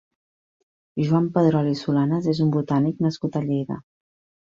Joan Pedrol i Solanes és un botànic nascut a Lleida.